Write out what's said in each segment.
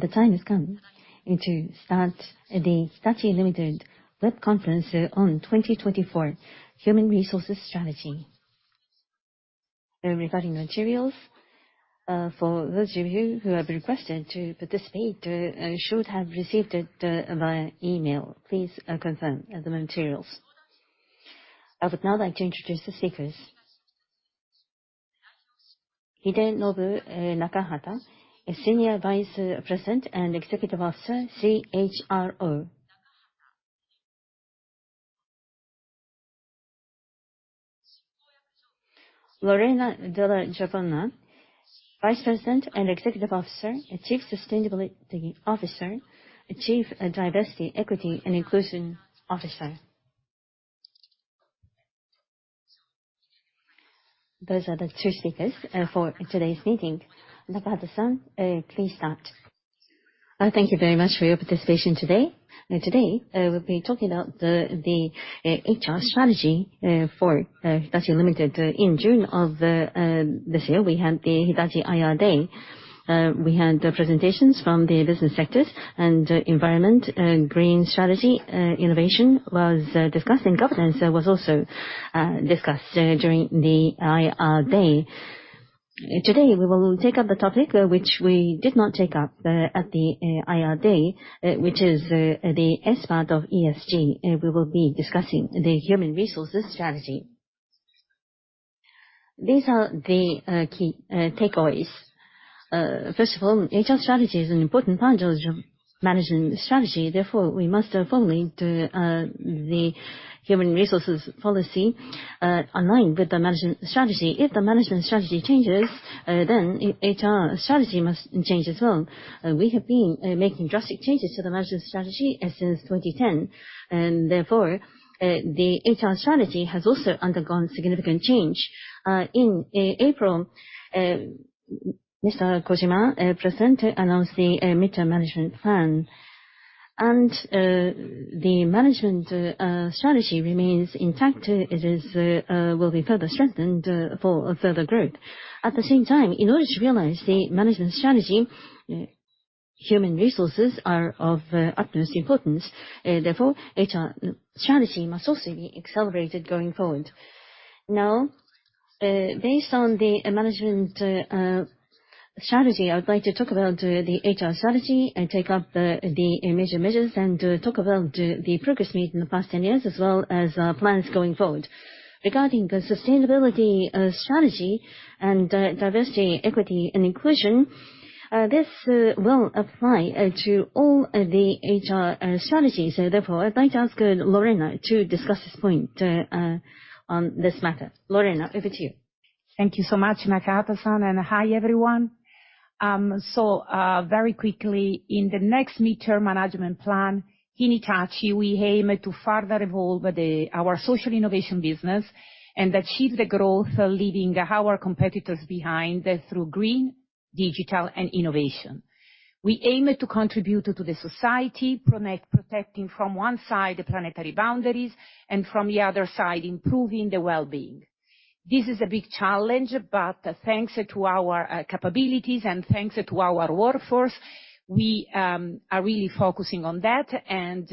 The time has come to start the Hitachi, Ltd Web Conference on 2024 Human Resources Strategy. Regarding materials, for those of you who have requested to participate, you should have received it via email. Please confirm the materials. I would now like to introduce the speakers. Hidenobu Nakahata, Senior Vice President and Executive Officer, CHRO. Lorena Dellagiovanna, Vice President and Executive Officer, Chief Sustainability Officer, Chief Diversity, Equity and Inclusion Officer. Those are the two speakers for today's meeting. Nakahata-san, please start. Thank you very much for your participation today. Today, we'll be talking about the HR strategy for Hitachi, Ltd. In June of this year, we had the Hitachi IR Day. We had the presentations from the business sectors and environment, green strategy, innovation was discussed, and governance was also discussed during the IR Day. Today, we will take up a topic which we did not take up at the IR Day, which is the S part of ESG. We will be discussing the human resources strategy. These are the key takeaways. First of all, HR strategy is an important part of management strategy. Therefore, we must fully align the human resources policy with the management strategy. If the management strategy changes, then HR strategy must change as well. We have been making drastic changes to the management strategy since 2010, and therefore, the HR strategy has also undergone significant change. In April, Mr. Kojima announced the midterm management plan. The management strategy remains intact. It will be further strengthened for further growth. At the same time, in order to realize the management strategy, human resources are of utmost importance. Therefore, HR strategy must also be accelerated going forward. Now, based on the management strategy, I would like to talk about the HR strategy and take up the major measures and talk about the progress made in the past ten years, as well as plans going forward. Regarding the sustainability strategy and diversity, equity and inclusion, this will apply to all of the HR strategies. Therefore, I'd like to ask Lorena to discuss this point on this matter. Lorena, over to you. Thank you so much, Nakahata-san, and hi, everyone. Very quickly, in the next midterm management plan, in Hitachi we aim to further evolve our social innovation business and achieve the growth leaving our competitors behind through green, digital and innovation. We aim to contribute to the society, protecting from one side the planetary boundaries and from the other side, improving the well-being. This is a big challenge, but thanks to our capabilities and thanks to our workforce, we are really focusing on that, and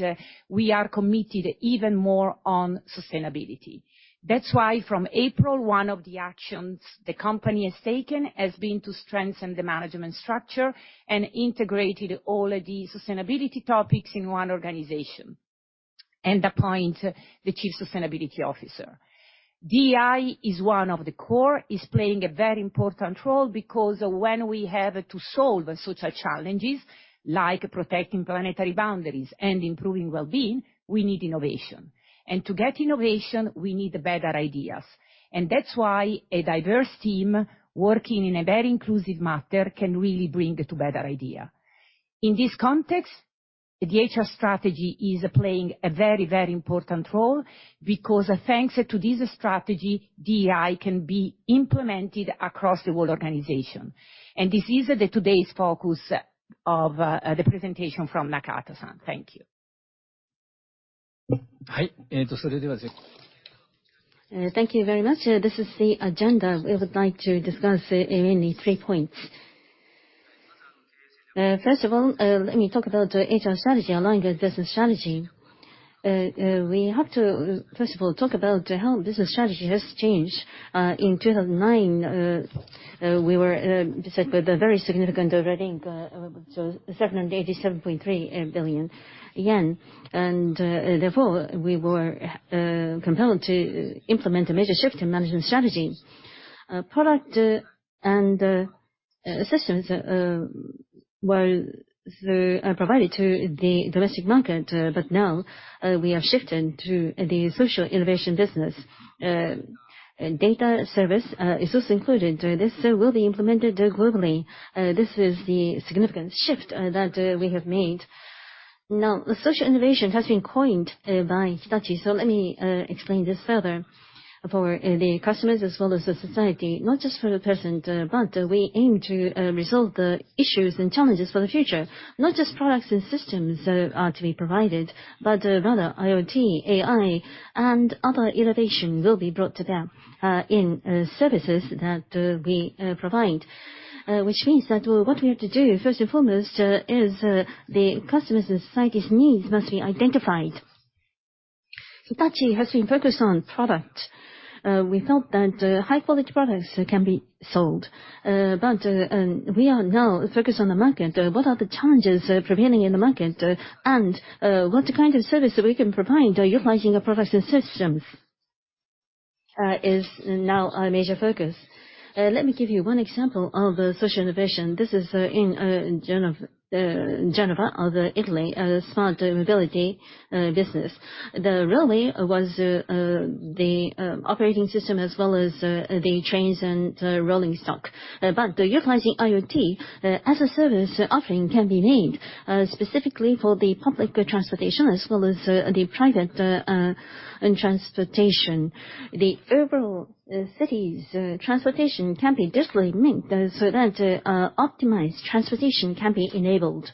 we are committed even more on sustainability. That's why from April, one of the actions the company has taken has been to strengthen the management structure and integrated all of the sustainability topics in one organization, and appoint the Chief Sustainability Officer. DEI is playing a very important role, because when we have to solve social challenges like protecting planetary boundaries and improving well-being, we need innovation. To get innovation, we need better ideas. That's why a diverse team working in a very inclusive manner can really bring about better ideas. In this context, the HR strategy is playing a very, very important role because thanks to this strategy, DEI can be implemented across the whole organization. This is today's focus of the presentation from Nakahata-san. Thank you. Thank you very much. This is the agenda. We would like to discuss mainly three points. First of all, let me talk about HR strategy along the business strategy. We have to, first of all, talk about how business strategy has changed. In 2009, we were beset with a very significant red ink, so 787.3 billion yen. Therefore, we were compelled to implement a major shift in management strategy. Product and systems were provided to the domestic market. Now, we have shifted to the Social Innovation Business. Data service is also included. This will be implemented globally. This is the significant shift that we have made. Now, social innovation has been coined by Hitachi, so let me explain this further. For the customers as well as the society, not just for the present, but we aim to resolve the issues and challenges for the future. Not just products and systems are to be provided, but rather IoT, AI, and other innovation will be brought to them in services that we provide. Which means that what we have to do, first and foremost, is the customers' and society's needs must be identified. Hitachi has been focused on product. We felt that high quality products can be sold. We are now focused on the market. What are the challenges prevailing in the market, and what kind of service we can provide utilizing our products and systems is now our major focus. Let me give you one example of social innovation. This is in Genoa of Italy, smart mobility business. The railway was the operating system as well as the trains and rolling stock. Utilizing IoT, as a service offering can be made, specifically for the public transportation as well as the private transportation. The overall city's transportation can be digitally linked, so that optimized transportation can be enabled.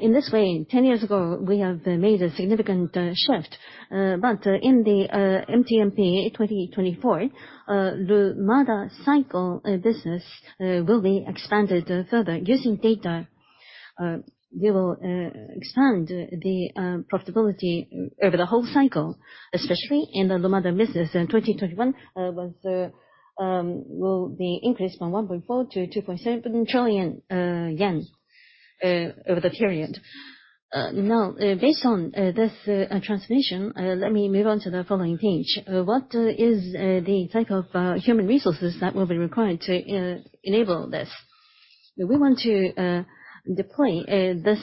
In this way, 10 years ago, we have made a significant shift. In the MTMP 2024, the mother cycle business will be expanded further. Using data, we will expand the profitability over the whole cycle, especially in the Lumada business. 2021 will be increased fr+om 1.4 trillion to 2.7 trillion yen over the period. Now, based on this presentation, let me move on to the following page. What is the type of human resources that will be required to enable this? We want to deploy this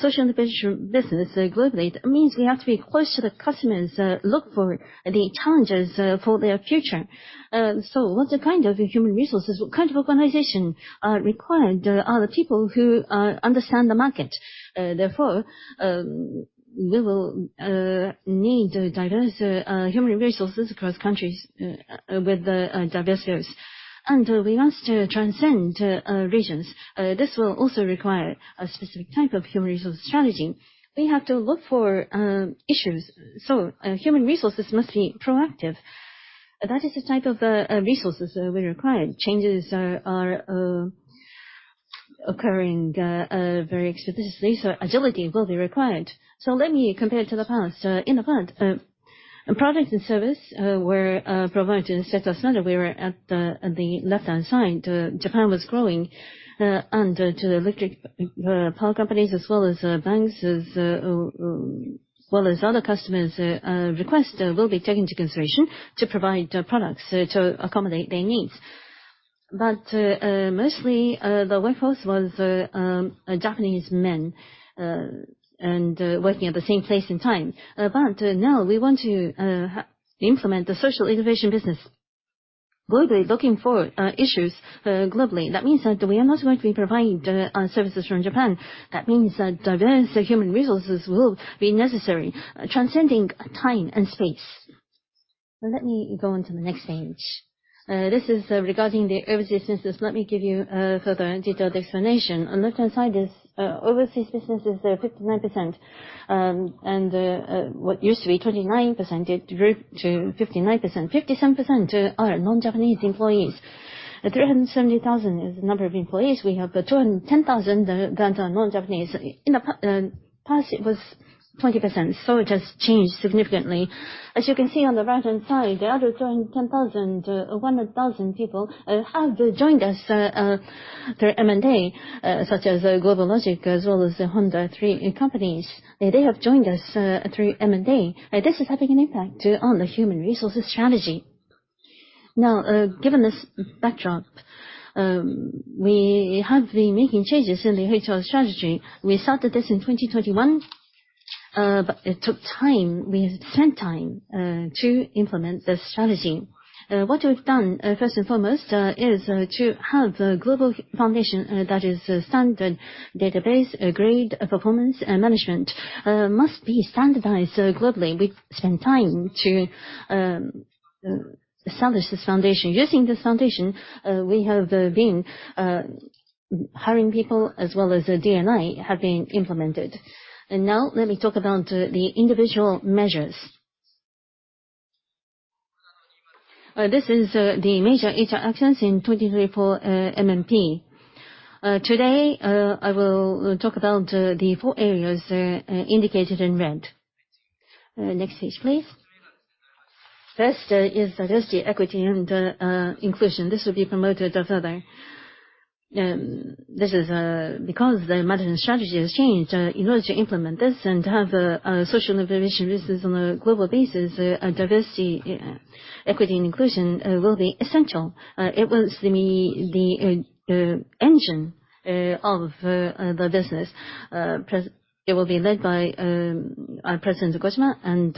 social innovation business globally. That means we have to be close to the customers, look for the challenges for their future. What kind of human resources, what kind of organization are required, the people who understand the market. Therefore, we will need diverse human resources across countries with diverse skills. We want to transcend regions. This will also require a specific type of human resource strategy. We have to look for issues, so human resources must be proactive. That is the type of resources we require. Changes are occurring very expeditiously, so agility will be required. Let me compare to the past. In the past, product and service were provided in a static manner. We were at the left-hand side. Japan was growing, and to the electric power companies as well as banks as well as other customers request will be taken into consideration to provide products to accommodate their needs. Mostly, the workforce was Japanese men and working at the same place and time. Now we want to implement the social innovation business globally, looking for issues globally. That means that we are not going to be providing services from Japan. That means that diverse human resources will be necessary, transcending time and space. Let me go on to the next page. This is regarding the overseas business. Let me give you further detailed explanation. On left-hand side is overseas business [at] 59%, and what used to be 29%, it grew to 59%. 57% are non-Japanese employees. 370,000 is the number of employees. We have 210,000 that are non-Japanese. In the past it was 20%, so it has changed significantly. As you can see on the right-hand side, the other 210,000, 100,000 people have joined us through M&A, such as GlobalLogic as well as the Honda three companies. They have joined us through M&A. This is having an impact on the human resources strategy. Now, given this backdrop, we have been making changes in the HR strategy. We started this in 2021, but it took time. We spent time to implement the strategy. What we've done, first and foremost, is to have a global foundation, that is a standard database, a grade, a performance, and management must be standardized globally. We've spent time to establish this foundation. Using this foundation, we have been hiring people as well as DEI have been implemented. Now let me talk about the individual measures. This is the major HR actions in 2023-2024 MTMP. Today I will talk about the four areas indicated in red. Next page, please. First is Diversity, Equity, and Inclusion. This will be promoted further. This is because the management strategy has changed. In order to implement this and have social innovation business on a global basis, Diversity, Equity, and Inclusion will be essential. It will be the engine of the business. It will be led by our President Kojima, and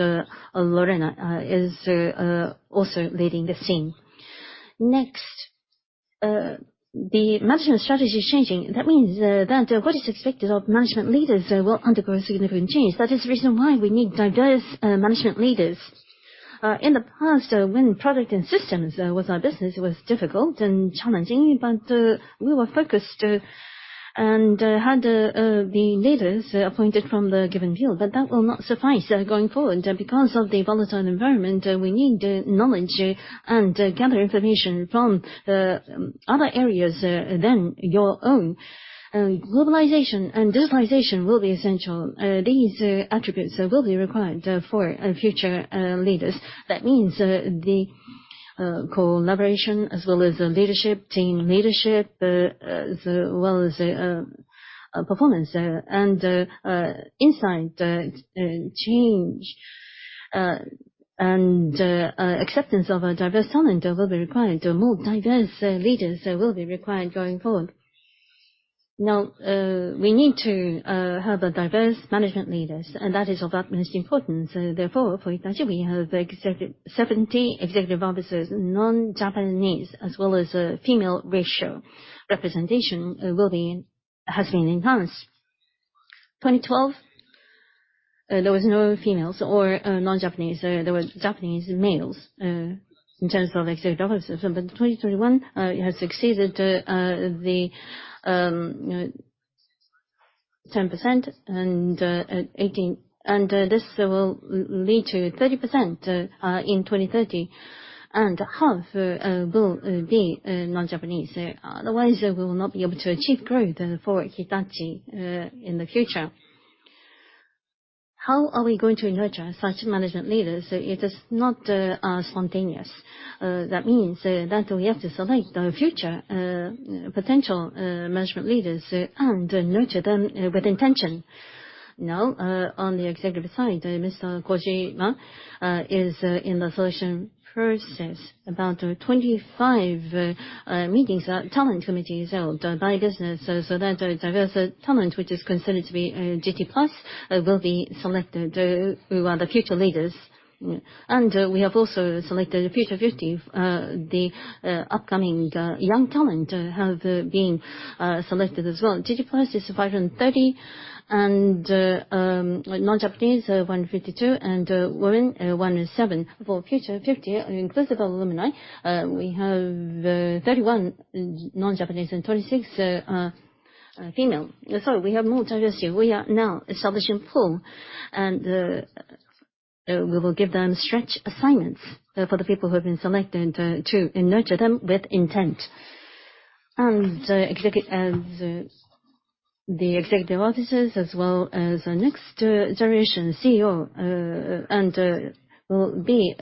Lorena is also leading this team. Next, the management strategy is changing. That means that what is expected of management leaders will undergo a significant change. That is the reason why we need diverse management leaders. In the past, when product and systems was our business, it was difficult and challenging, but we were focused and had the leaders appointed from the given field. That will not suffice going forward. Because of the volatile environment, we need knowledge and gather information from other areas than your own. Globalization and digitalization will be essential. These attributes will be required for future leaders. Collaboration as well as leadership, team leadership, as well as performance. Inside change and acceptance of a diverse talent will be required. More diverse leaders will be required going forward. Now, we need to have a diverse management leaders, and that is of utmost importance. Therefore, for Hitachi, we have 70 executive officers, non-Japanese, as well as a female ratio representation has been enhanced. In 2012, there was no females or non-Japanese. There was Japanese males in terms of executive officers. In 2021, it has exceeded the 10% and 18%. This will lead to 30% in 2030, and half will be non-Japanese. Otherwise, we will not be able to achieve growth for Hitachi in the future. How are we going to nurture such management leaders? It is not spontaneous. That means that we have to select our future potential management leaders and nurture them with intention. Now, on the executive side, Mr. Kojima is in the selection process. About 25 meetings, talent committees held by business, so that diverse talent, which is considered to be GT+, will be selected who are the future leaders. We have also selected Future 50. The upcoming young talent have been selected as well. GT+ is 530, and non-Japanese 152, and women 107. For Future 50, inclusive of alumni, we have 31 non-Japanese and 26 female. So we have more diversity. We are now establishing pool, and we will give them stretch assignments for the people who have been selected to nurture them with intent. The executive officers as well as next generation CEO, and will be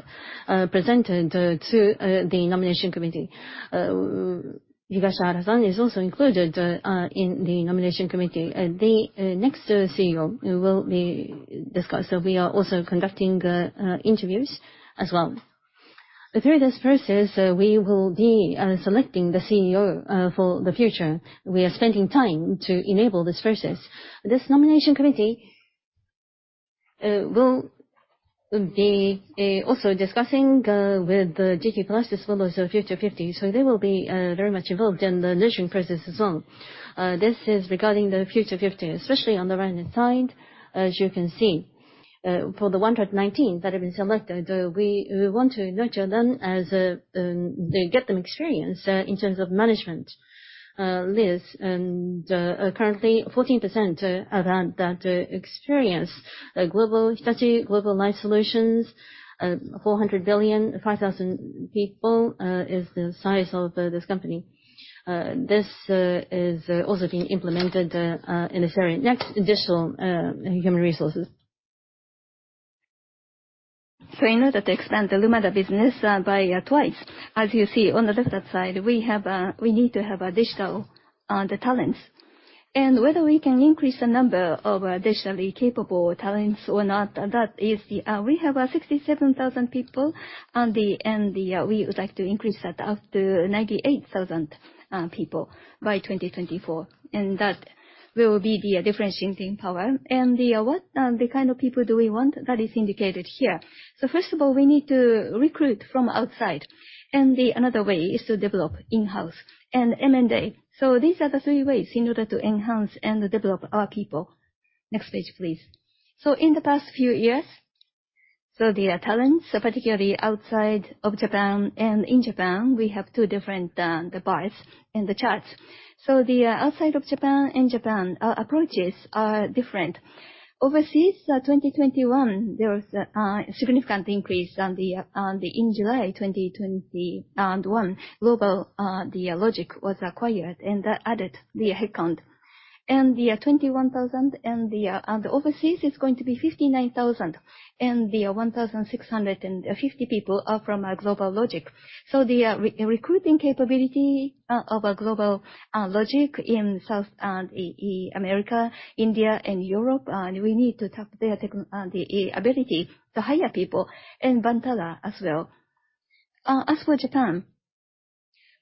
presented to the nomination committee. Higashihara-san is also included, in the nomination committee. The next CEO will be discussed. We are also conducting, interviews as well. Through this process, we will be selecting the CEO for the future. We are spending time to enable this process. This nomination committee, will be also discussing with the GT+ as well as Future 50. They will be very much involved in the nurturing process as well. This is regarding the Future 50, especially on the right-hand side, as you can see. For the 119 that have been selected, we want to nurture them as they get the experience in terms of management list. Currently 14% have had that experience. Hitachi Global Life Solutions, 400 billion, 5,000 people, is the size of this company. This is also being implemented in this very next additional human resources. In order to expand the Lumada business by twice, as you see on the left-hand side, we need to have additional, the talents. Whether we can increase the number of additionally capable talents or not, that is the. We have 67,000 people, we would like to increase that up to 98,000 people by 2024, and that will be the differentiating power. The kind of people do we want, that is indicated here. First of all, we need to recruit from outside, and another way is to develop in-house and M&A. These are the three ways in order to enhance and develop our people. Next page, please. In the past few years, the talents, particularly outside of Japan and in Japan, we have two different bars in the charts. The outside of Japan and Japan, our approaches are different. Overseas, 2021, there was a significant increase in July 2021, GlobalLogic was acquired and added the headcount. The 21,000 and overseas is going to be 59,000, and the 1,650 people are from GlobalLogic. The recruiting capability of GlobalLogic in South America, India and Europe, and we need to tap their ability to hire people, and Vantara as well. As for Japan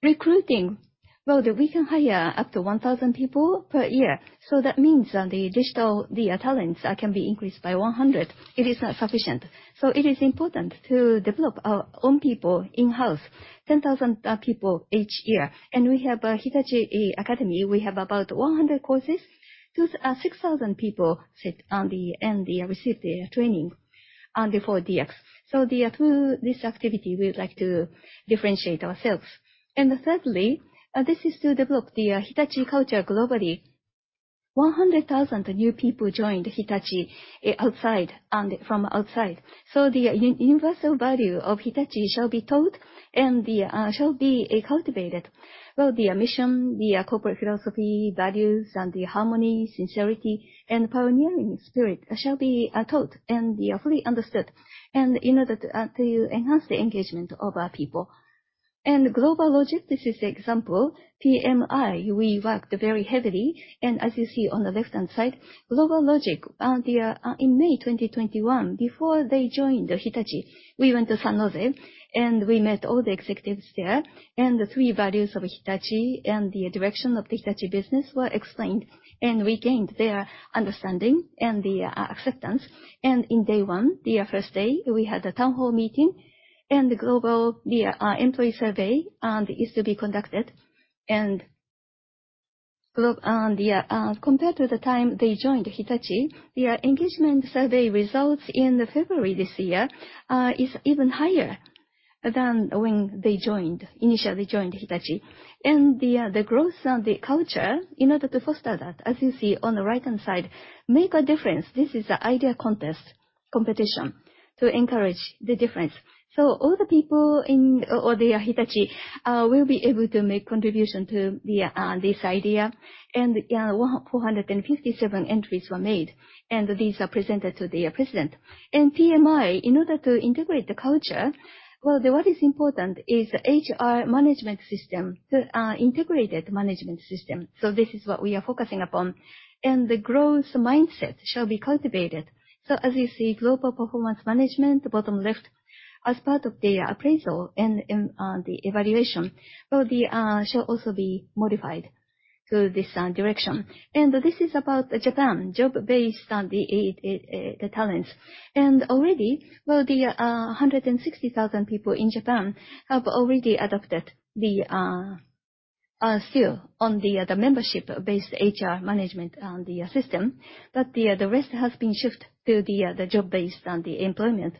recruiting, well, we can hire up to 1,000 people per year. That means the digital talents can be increased by 100. It is sufficient. It is important to develop our own people in-house, 10,000 people each year. We have a Hitachi Academy. We have about 100 courses. 6,000 people sign on to them and they receive their training for DX. Through this activity, we would like to differentiate ourselves. Thirdly, this is to develop the Hitachi culture globally. 100,000 new people joined Hitachi from outside. The universal value of Hitachi shall be taught and shall be cultivated. Well, the mission, the corporate philosophy, values, and the harmony, sincerity, and pioneering spirit shall be taught and fully understood. In order to enhance the engagement of our people and GlobalLogic, this is the example. PMI, we worked very heavily. As you see on the left-hand side, GlobalLogic. In May 2021, before they joined Hitachi, we went to San Jose and we met all the executives there. The three values of Hitachi and the direction of the Hitachi business were explained, and we gained their understanding and the acceptance. In day one, the first day, we had a town hall meeting. GlobalLogic, the employee survey is to be conducted. Compared to the time they joined Hitachi, the engagement survey results in February this year is even higher than when they initially joined Hitachi. The growth and the culture, in order to foster that, as you see on the right-hand side, Make a Difference. This is an idea contest, competition to encourage the difference. All the people in all the Hitachi will be able to make contribution to this idea. 457 entries were made, and these are presented to the president. PMI, in order to integrate the culture, what is important is the HR management system, integrated management system. This is what we are focusing upon. The growth mindset shall be cultivated. As you see, global performance management, bottom left, as part of the appraisal and the evaluation, shall also be modified to this direction. This is about Japan, job based on the talents. Already, 160,000 people in Japan have already adopted the membership-based HR management system. The rest has been shifted to the job-based employment.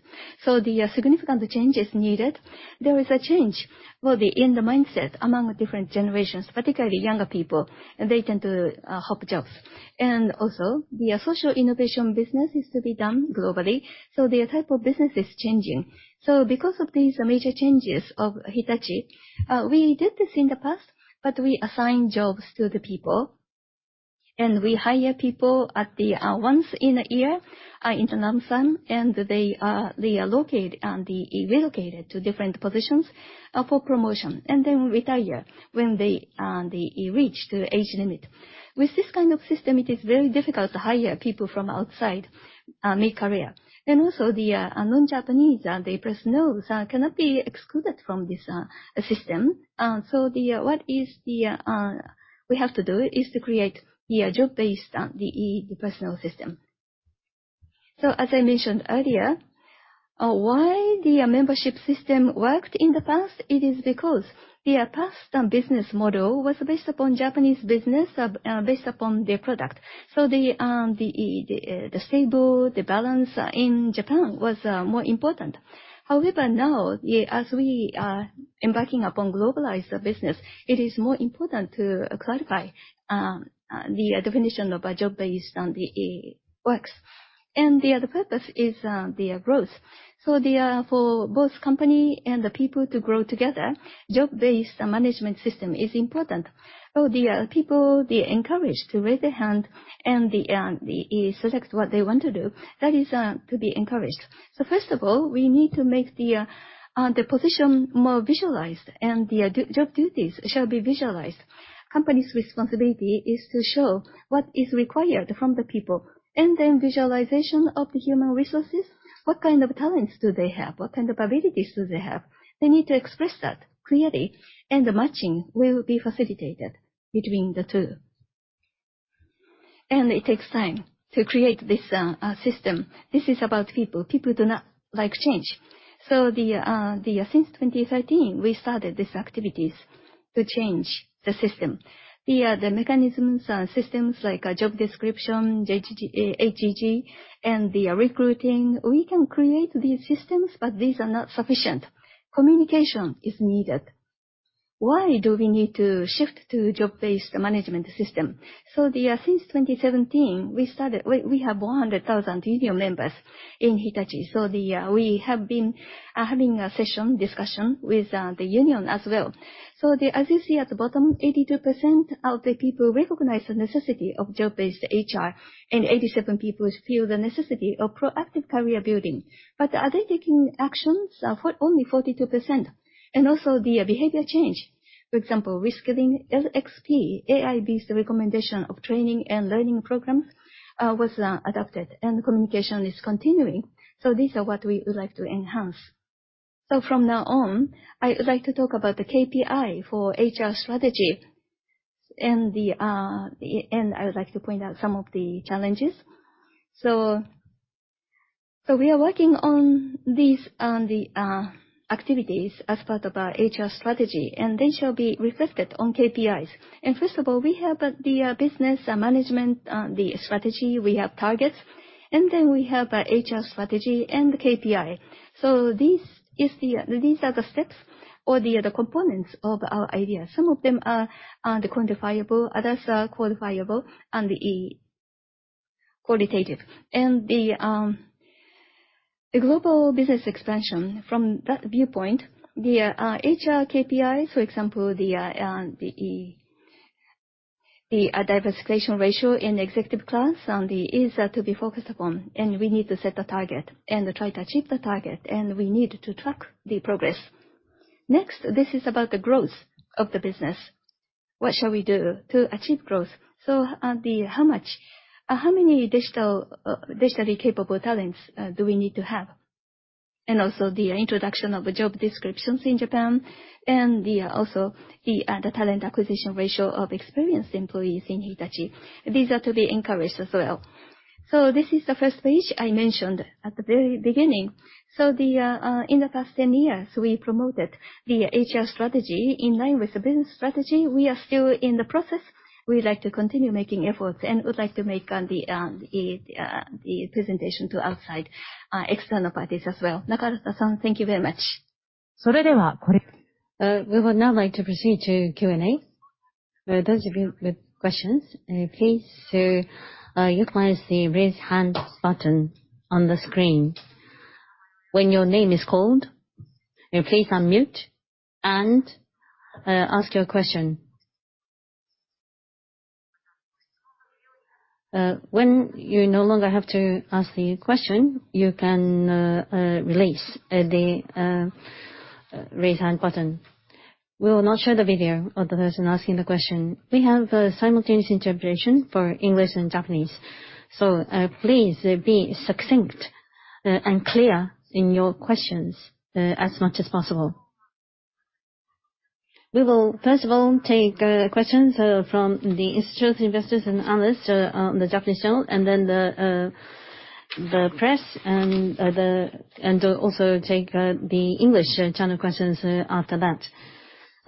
The significant change is needed. There is a change in the mindset among different generations, particularly younger people. They tend to hop jobs. Also the social innovation business is to be done globally, so the type of business is changing. Because of these major changes of Hitachi, we did this in the past, but we assign jobs to the people. We hire people once a year in this manner, and they are relocated to different positions for promotion. Retire when they reach the age limit. With this kind of system, it is very difficult to hire people from outside, make career. Also the non-Japanese, the personnel cannot be excluded from this system. What we have to do is to create the job based on the personnel system. As I mentioned earlier, why the membership system worked in the past, it is because the past business model was based upon Japanese business, based upon their product. The stability, the balance in Japan was more important. However, now, as we are embarking upon globalized business, it is more important to clarify the definition of a job based on the works. The other purpose is the growth. For both the company and the people to grow together, job-based management system is important. People, they're encouraged to raise their hand and select what they want to do. That is to be encouraged. First of all, we need to make the position more visualized and the job duties shall be visualized. Company's responsibility is to show what is required from the people. Then visualization of the human resources, what kind of talents do they have? What kind of abilities do they have? They need to express that clearly, and the matching will be facilitated between the two. It takes time to create this system. This is about people. People do not like change. Since 2013, we started these activities to change the system. The mechanisms, systems like job description, JG, HGG, and the recruiting, we can create these systems, but these are not sufficient. Communication is needed. Why do we need to shift to job based management system? Since 2017, we started. We have 100,000 union members in Hitachi. We have been having a session, discussion with the union as well. As you see at the bottom, 82% of the people recognize the necessity of job based HR, and 87% feel the necessity of proactive career building. But are they taking actions? For only 42%. Also the behavior change. For example, reskilling, LXP, AI-based recommendation of training and learning programs was adopted, and communication is continuing. These are what we would like to enhance. From now on, I would like to talk about the KPI for HR strategy and I would like to point out some of the challenges. We are working on these activities as part of our HR strategy, and they shall be reflected on KPIs. First of all, we have the business management, the strategy, we have targets, and then we have HR strategy and KPI. These are the steps or the components of our idea. Some of them are quantifiable, others are qualitative. The global business expansion, from that viewpoint, the HR KPI for example. The diversification ratio in executive class and these are to be focused upon, and we need to set a target and try to achieve the target, and we need to track the progress. This is about the growth of the business. What shall we do to achieve growth? How many digital digitally capable talents do we need to have? And also the introduction of the job descriptions in Japan and also the talent acquisition ratio of experienced employees in Hitachi. These are to be encouraged as well. This is the first page I mentioned at the very beginning. In the past 10 years, we promoted the HR strategy in line with the business strategy. We are still in the process. We'd like to continue making efforts and would like to make the presentation to outside external parties as well. Nakahata-san, thank you very much. We would now like to proceed to Q&A. Those of you with questions, please utilize the Raise Hand button on the screen. When your name is called, please unmute and ask your question. When you no longer have to ask the question, you can release the Raise Hand button. We will not show the video of the person asking the question. We have a simultaneous interpretation for English and Japanese, so please be succinct and clear in your questions as much as possible. We will first of all take questions from the institutional investors and analysts on the Japanese channel, and then the press and also take the English channel questions after that.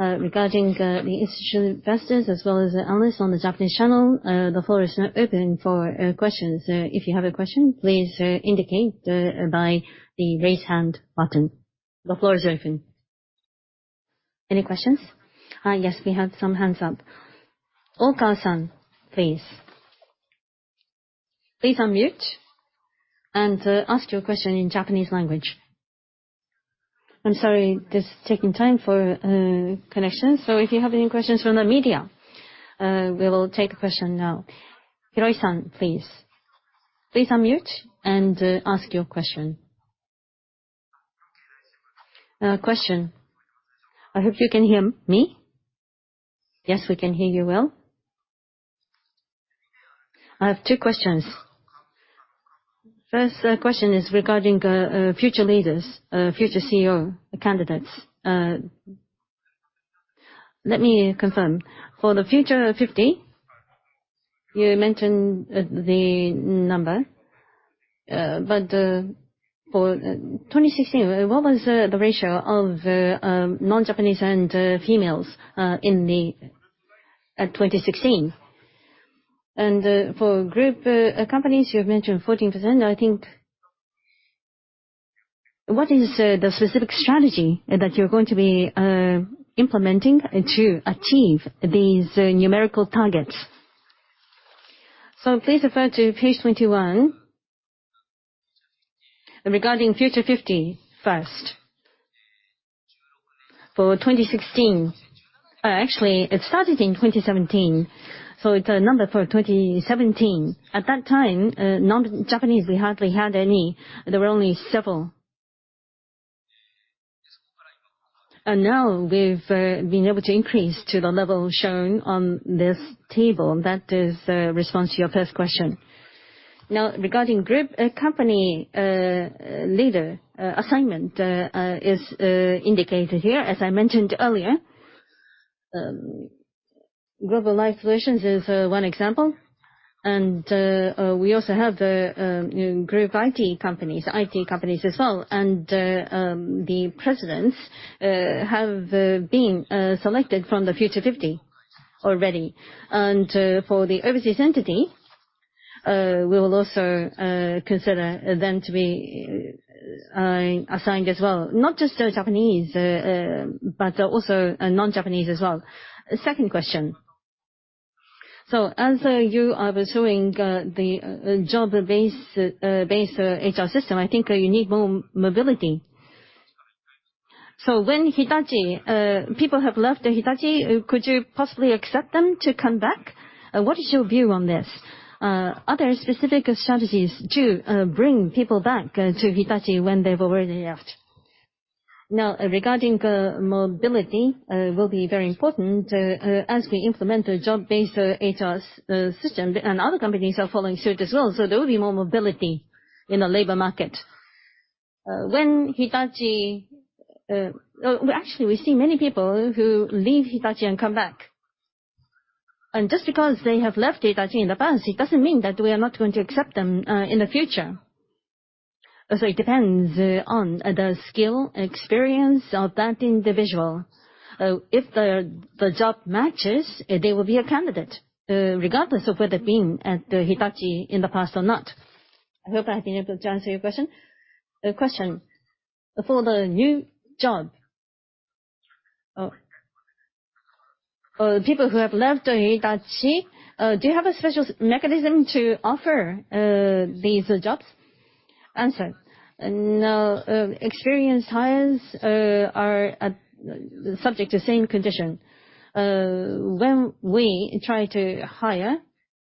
Regarding the institutional investors as well as the analysts on the Japanese channel, the floor is now open for questions. If you have a question, please indicate by the Raise Hand button. The floor is open. Any questions? Yes, we have some hands up. Oka-san, please. Please unmute and ask your question in Japanese language. I'm sorry. This is taking time for connection. If you have any questions from the media, we will take a question now. Hiroi-san, please. Please unmute and ask your question. Question. I hope you can hear me. Yes, we can hear you well. I have two questions. First question is regarding future leaders, future CEO candidates. Let me confirm. For the Future 50, you mentioned the number. But for 2016, what was the ratio of non-Japanese and females in the 2016? For group companies, you have mentioned 14%, I think. What is the specific strategy that you're going to be implementing and to achieve these numerical targets? Please refer to page 21. Regarding Future 50 first. For 2016. Actually, it started in 2017, so it's a number for 2017. At that time, non-Japanese, we hardly had any. There were only several. Now we've been able to increase to the level shown on this table. That is response to your first question. Now, regarding group company leader assignment is indicated here. As I mentioned earlier, Global Life Solutions is one example. We also have the group IT companies as well. The presidents have been selected from the Future 50 already. For the overseas entity, we will also consider them to be assigned as well. Not just Japanese, but also non-Japanese as well. Second question. As you are pursuing the job-based HR system, I think you need more mobility. When Hitachi people have left Hitachi, could you possibly accept them to come back? What is your view on this? Are there specific strategies to bring people back to Hitachi when they've already left? Now, regarding the mobility, will be very important as we implement the job-based HR system, and other companies are following suit as well, so there will be more mobility in the labor market. Actually, we see many people who leave Hitachi and come back. Just because they have left Hitachi in the past, it doesn't mean that we are not going to accept them in the future. It depends on the skill and experience of that individual. If the job matches, they will be a candidate regardless of whether they've been at Hitachi in the past or not. I hope I have been able to answer your question. The question for the new job, people who have left Hitachi, do you have a special mechanism to offer these jobs? Answer. Now, experienced hires are subject to same condition. When we try to hire,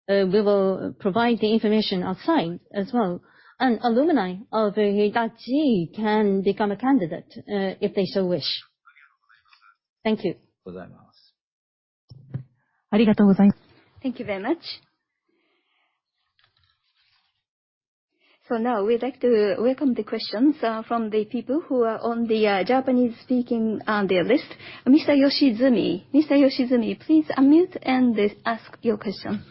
we will provide the information outside as well. Alumni of Hitachi can become a candidate, if they so wish. Thank you. Thank you very much. Now, we'd like to welcome the questions from the people who are on the Japanese-speaking their list. Mr. Yoshizumi. Mr. Yoshizumi, please unmute and ask your question.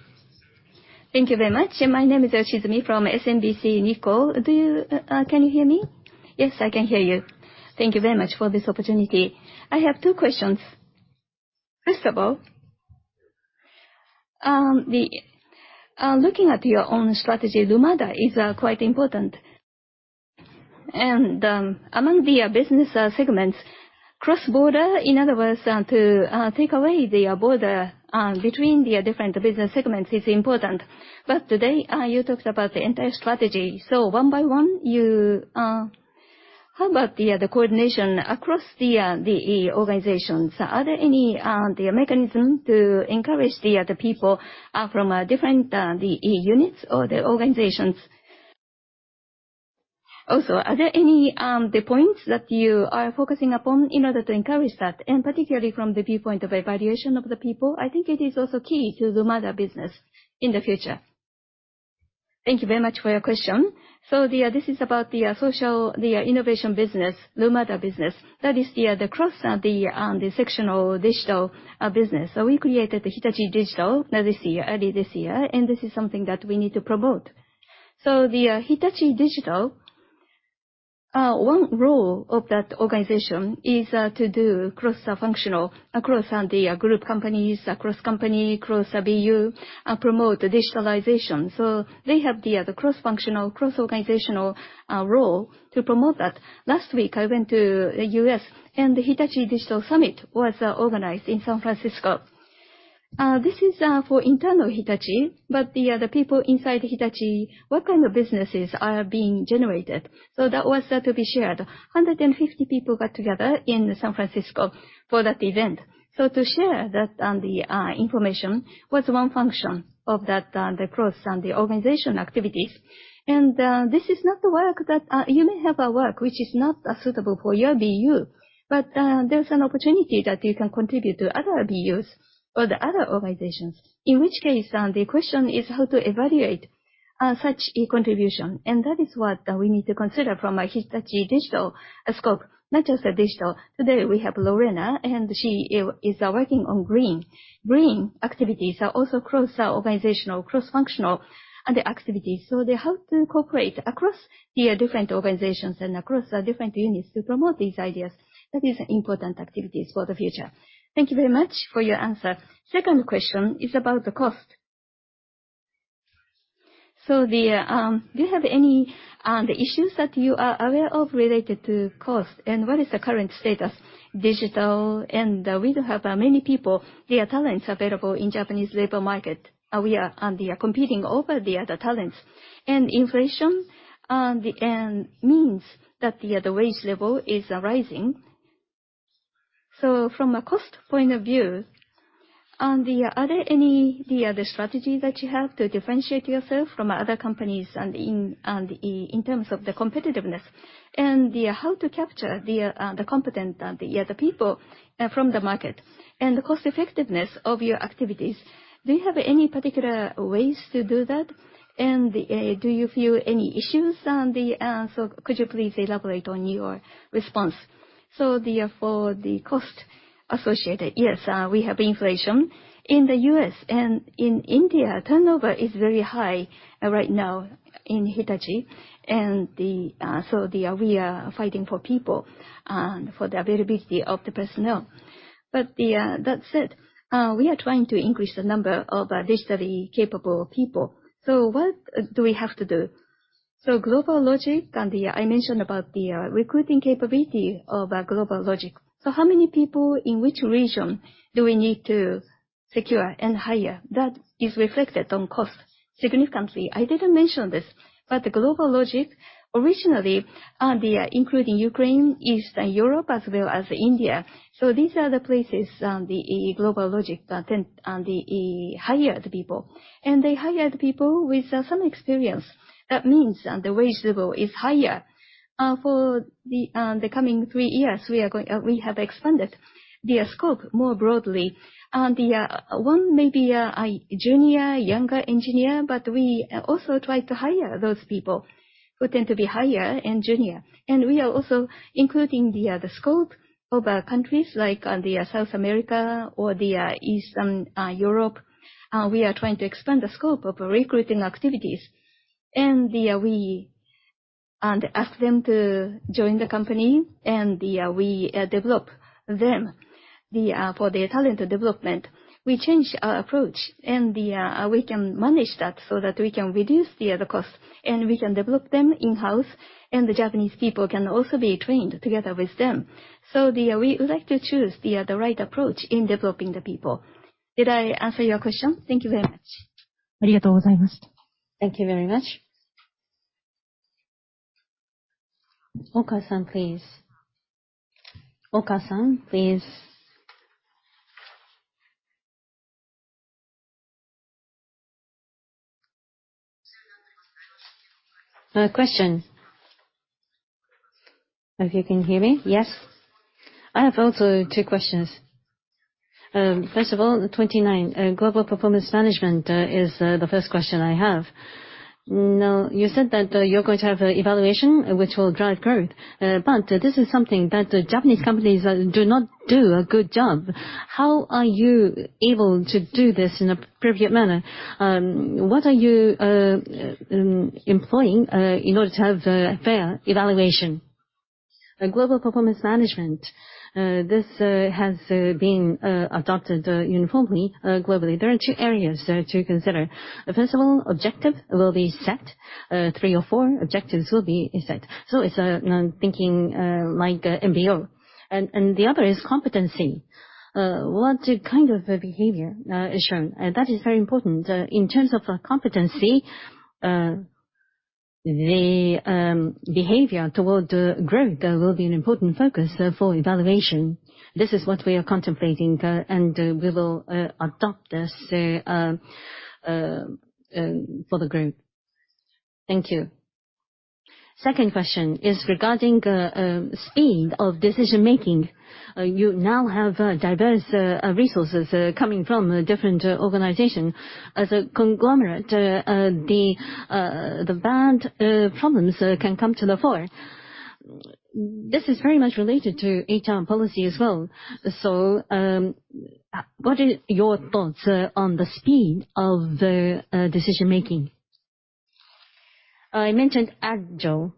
Thank you very much. My name is Yoshizumi from SMBC Nikko. Can you hear me? Yes, I can hear you. Thank you very much for this opportunity. I have two questions. First of all, the looking at your own strategy, Lumada is quite important. Among the business segments, cross-border, in other words, to take away the border between the different business segments is important. Today you talked about the entire strategy. One by one, you, how about the coordination across the organizations? Are there any the mechanism to encourage the people from different the units or the organizations? Also, are there any the points that you are focusing upon in order to encourage that? And particularly from the viewpoint of evaluation of the people, I think it is also key to Lumada business in the future. Thank you very much for your question. This is about the social innovation business, Lumada business. That is the cross-sectional digital business. We created Hitachi Digital, this year, early this year, and this is something that we need to promote. The Hitachi Digital, one role of that organization is, to do cross-functional across, the group companies, across company, across BU, promote the digitalization. They have the cross-functional, cross-organizational, role to promote that. Last week, I went to the U.S. and the Hitachi Digital Summit was, organized in San Francisco. This is, for internal Hitachi, but the people inside Hitachi, what kind of businesses are being generated. That was to be shared. 150 people got together in San Francisco for that event. To share that, the information was one function of that, the cross and the organization activities. This is not the work that you may have a work which is not suitable for your BU, but there's an opportunity that you can contribute to other BUs or the other organizations. In which case, the question is how to evaluate such a contribution. That is what we need to consider from a Hitachi Digital scope, not just digital. Today, we have Lorena, and she is working on green. Green activities are also cross-organizational, cross-functional, the activities. They have to cooperate across the different organizations and across the different units to promote these ideas. That is important activities for the future. Thank you very much for your answer. Second question is about the cost. Do you have any issues that you are aware of related to cost, and what is the current status? We don't have many people, their talents available in Japanese labor market. We are competing for the other talents. Inflation means that the wage level is rising. From a cost point of view, are there any strategy that you have to differentiate yourself from other companies and in terms of the competitiveness? How to capture the competent people from the market? The cost effectiveness of your activities, do you have any particular ways to do that? Do you feel any issues? Could you please elaborate on your response? For the cost associated, yes, we have inflation. In the U.S. and in India, turnover is very high right now in Hitachi, so we are fighting for people and for the availability of the personnel. That said, we are trying to increase the number of digitally capable people. What do we have to do? I mentioned about the recruiting capability of GlobalLogic. How many people in which region do we need to secure and hire? That is reflected on cost significantly. I didn't mention this, but GlobalLogic originally including Ukraine, Eastern Europe, as well as India. These are the places GlobalLogic then hired people. They hired people with some experience. That means that the wage level is higher. For the coming three years, we have expanded the scope more broadly. They may be a junior young engineer, but we also try to hire those people who tend to be senior and junior. We are also including the scope of countries like South America or Eastern Europe. We are trying to expand the scope of recruiting activities. We ask them to join the company and we develop them for their talent development. We change our approach and we can manage that so that we can reduce the cost and we can develop them in-house, and the Japanese people can also be trained together with them. We would like to choose the right approach in developing the people. Did I answer your question? Thank you very much. Thank you very much. Oka-san, please. Oka-san, please. Question. If you can hear me? Yes. I have also two questions. First of all, the 29. Global performance management is the first question I have. Now, you said that you're going to have evaluation which will drive growth, but this is something that Japanese companies do not do a good job. How are you able to do this in appropriate manner? What are you employing in order to have fair evaluation? The global performance management this has been adopted uniformly globally. There are two areas to consider. First of all, objective will be set. Three or four objectives will be set. It's thinking like MBO. The other is competency. What kind of behavior is shown? That is very important. In terms of competency, the behavior toward the growth, that will be an important focus for evaluation. This is what we are contemplating, and we will adopt this for the group. Thank you. Second question is regarding speed of decision-making. You now have diverse resources coming from different organizations. As a conglomerate, the bandwidth problems can come to the fore. This is very much related to HR policy as well. What are your thoughts on the speed of decision-making? I mentioned agile,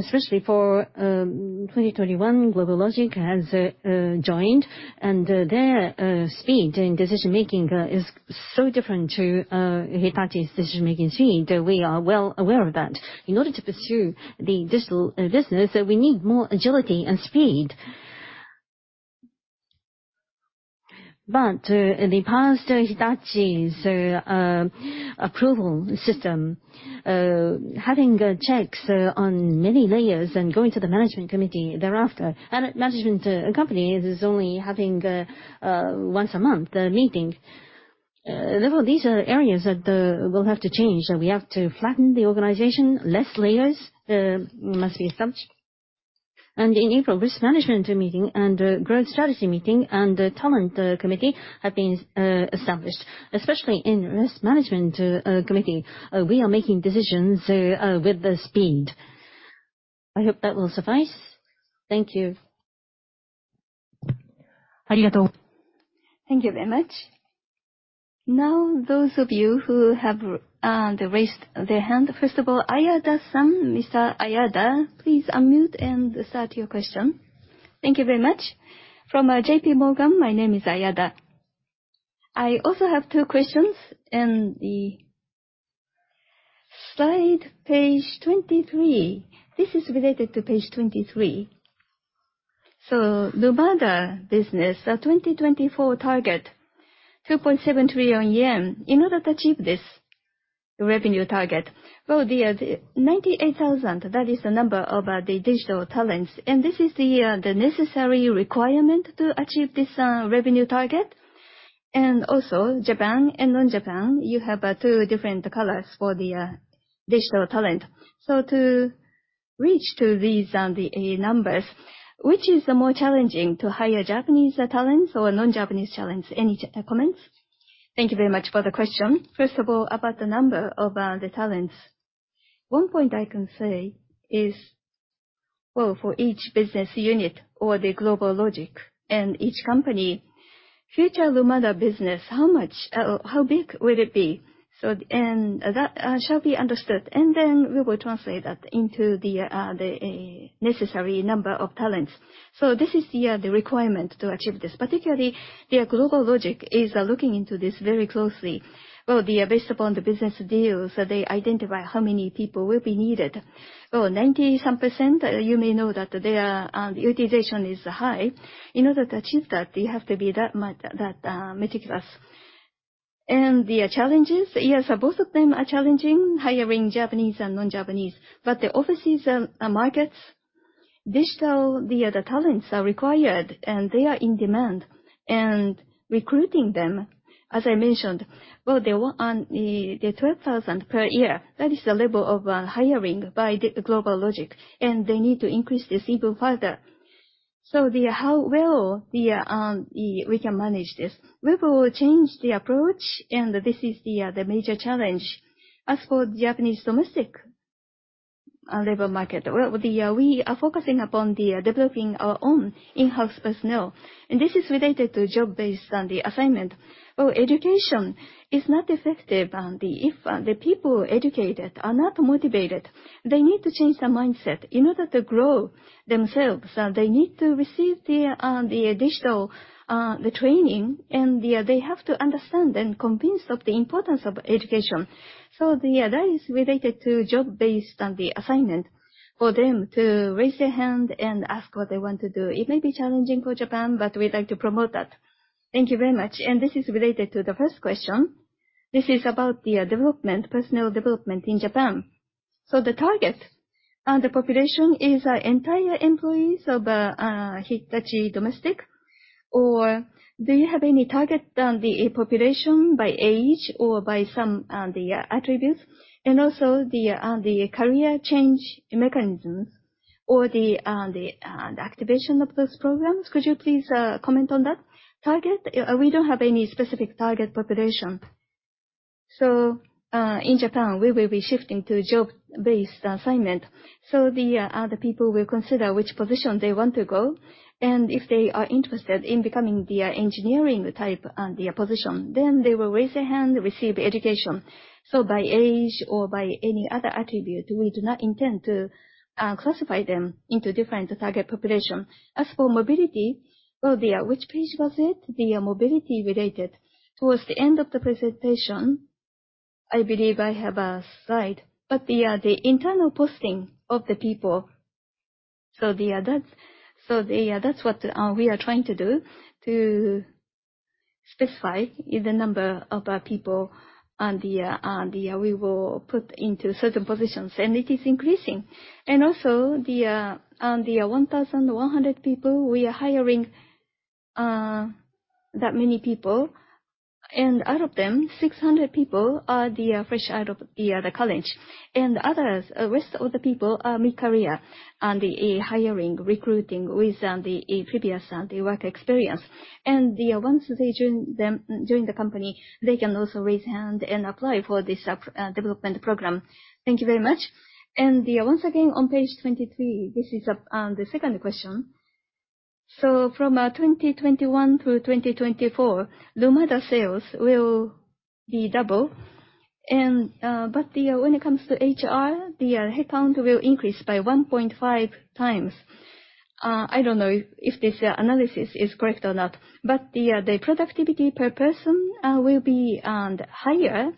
especially for 2021, GlobalLogic has joined, and their speed in decision-making is so different to Hitachi's decision-making speed. We are well aware of that. In order to pursue the digital business, we need more agility and speed. In the past, Hitachi's approval system, having checks on many layers and going to the management committee thereafter, and management company is only having once a month meeting. Well, these are areas that will have to change. We have to flatten the organization, less layers must be established. In April, risk management meeting and growth strategy meeting and talent committee have been established. Especially in risk management committee, we are making decisions with speed. I hope that will suffice. Thank you. Thank you. Thank you very much. Now, those of you who have raised their hand. First of all, Ayada-san, Mr. Ayada, please unmute and start your question. Thank you very much. From JP Morgan, my name is Ayada. I also have two questions. In the slide page 23, this is related to page 23. So Lumada business, the 2024 target, 2.7 trillion yen. In order to achieve this revenue target, well, the 98,000, that is the number of the digital talents, and this is the necessary requirement to achieve this revenue target. Also, Japan and non-Japan, you have two different colors for the digital talent. So to reach these the numbers, which is more challenging, to hire Japanese talents or non-Japanese talents? Any comments? Thank you very much for the question. First of all, about the number of the talents. One point I can say is, well, for each business unit or the GlobalLogic and each company, future Lumada business, how much or how big will it be? That shall be understood, and then we will translate that into the necessary number of talents. This is the requirement to achieve this. Particularly, the GlobalLogic is looking into this very closely. Well, based upon the business deals, they identify how many people will be needed. Well, 90-some%, you may know that their utilization is high. In order to achieve that, you have to be that much that meticulous. The challenges, yes, both of them are challenging, hiring Japanese and non-Japanese. The overseas markets, digital, the talents are required, and they are in demand. Recruiting them, as I mentioned, well, there were the 12,000 per year, that is the level of hiring by GlobalLogic, and they need to increase this even further. How well we can manage this, we will change the approach, and this is the major challenge. As for Japanese domestic labor market, well, we are focusing upon developing our own in-house personnel, and this is related to job based on the assignment. Well, education is not effective. If the people educated are not motivated, they need to change their mindset. In order to grow themselves, they need to receive the digital training, and they have to understand and be convinced of the importance of education. That is related to job-based assignment for them to raise their hand and ask what they want to do. It may be challenging for Japan, but we'd like to promote that. Thank you very much. This is related to the first question. This is about the development, personal development in Japan. The target, the population is our entire employees of Hitachi Domestic. Or do you have any target on the population by age or by some, the attributes? And also the career change mechanisms or the activation of those programs. Could you please comment on that? Target, we don't have any specific target population. In Japan, we will be shifting to job-based assignment. The people will consider which position they want to go, and if they are interested in becoming the engineering type, the position, then they will raise their hand, receive education. By age or by any other attribute, we do not intend to classify them into different target population. As for mobility, which page was it? The mobility related. Towards the end of the presentation, I believe I have a slide. The internal posting of the people. That's what we are trying to do to specify the number of our people and the we will put into certain positions. It is increasing. Also the 1,100 people we are hiring, that many people, and out of them, 600 people are the fresh out of the college. The others, rest of the people are mid-career, and the hiring, recruiting with the previous the work experience. Once they join the company, they can also raise hand and apply for this development program. Thank you very much. Once again, on page 23, this is the second question. From 2021 through 2024, Lumada sales will be double and, but the, when it comes to HR, the headcount will increase by 1.5x. I don't know if this analysis is correct or not. The productivity per person will be higher.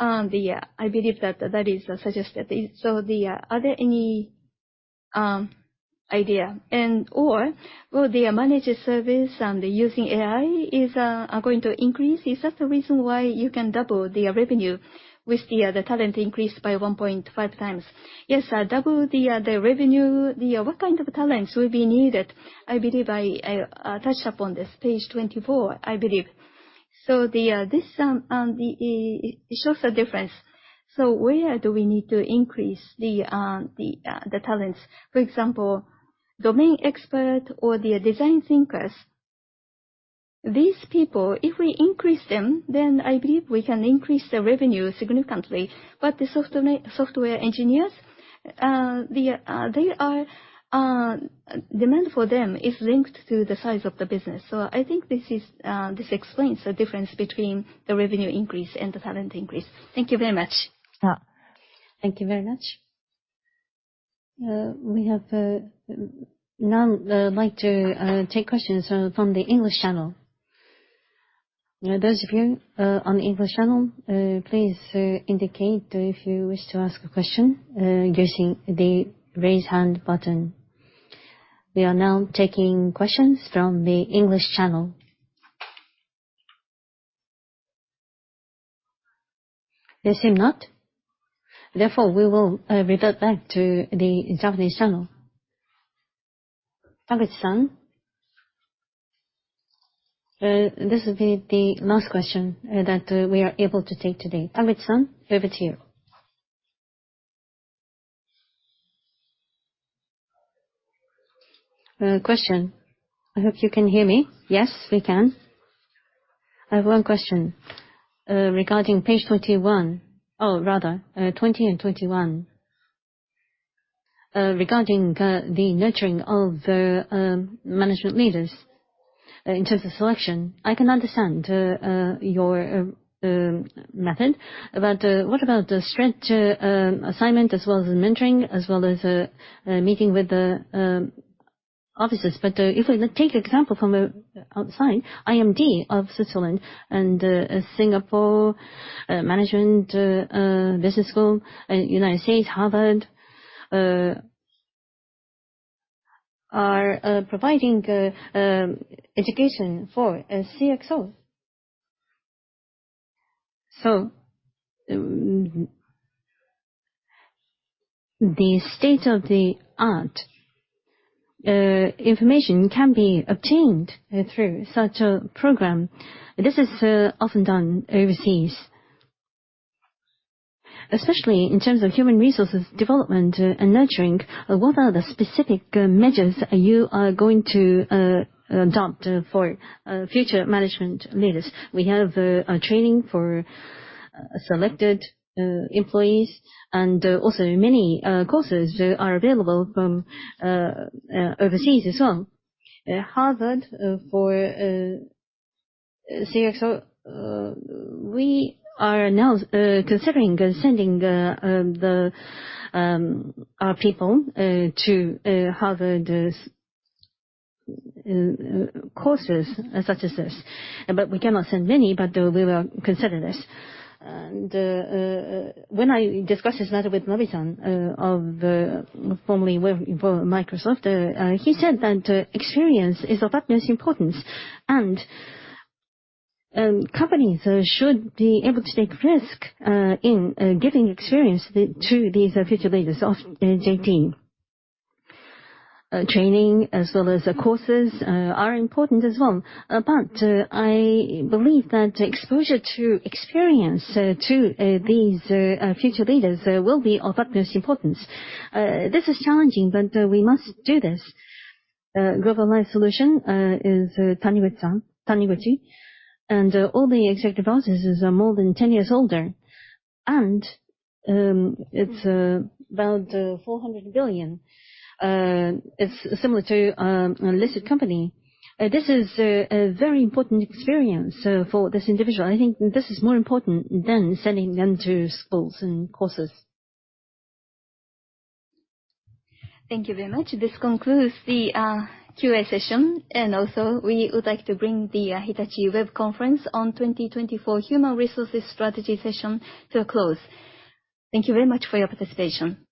I believe that is suggested. Are there any idea and/or will the managed service and the using AI going to increase? Is that the reason why you can double the revenue with the talent increase by 1.5x? Yes, double the revenue. What kind of talents will be needed? I believe I touched upon this. Page 24, I believe. This, and it shows the difference. Where do we need to increase the talents? For example, domain expert or the design thinkers. These people, if we increase them, then I believe we can increase the revenue significantly. The software engineers, the demand for them is linked to the size of the business. I think this explains the difference between the revenue increase and the talent increase. Thank you very much. Yeah. Thank you very much. We would now like to take questions from the English channel. Those of you on the English channel, please indicate if you wish to ask a question using the raise hand button. We are now taking questions from the English channel. There seem not. Therefore, we will revert back to the Japanese channel. Taguchi-san, this will be the last question that we are able to take today. Taguchi-san, over to you. Question. I hope you can hear me. Yes, we can. I have one question regarding page 21. Oh, rather, 20 and 21. Regarding the nurturing of management leaders, in terms of selection, I can understand your method, but what about the stretch assignment as well as mentoring, as well as meeting with the officers. If we take example from outside, IMD of Switzerland and Singapore Management Business School, United States, Harvard, are providing education for CXOs. So the state-of-the-art information can be obtained through such a program. This is often done overseas. Especially in terms of human resources development and nurturing, what are the specific measures you are going to adopt for future management leaders? We have training for selected employees and also many courses are available from overseas as well. Harvard for CXO. We are now considering sending our people to Harvard courses such as this. We cannot send many, but we will consider this. When I discussed this matter with Nobi-san of formerly working for Microsoft, he said that experience is of utmost importance, and companies should be able to take risk in giving experience to these future leaders of Hitachi. Training as well as courses are important as well. I believe that exposure to experience to these future leaders will be of utmost importance. This is challenging, but we must do this. Global Life Solutions is Taniguchi-san, Taniguchi, and all the executive officers are more than 10 years older, and it's about 400 billion. It's similar to a listed company. This is a very important experience for this individual. I think this is more important than sending them to schools and courses. Thank you very much. This concludes the QA session, and also we would like to bring the Hitachi Web Conference on 2024 Human Resources Strategy Session to a close. Thank you very much for your participation.